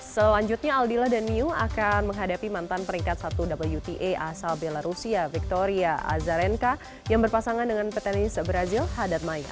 selanjutnya aldila dan new akan menghadapi mantan peringkat satu wta asal belarusia victoria azharenka yang berpasangan dengan petenis brazil hadad mai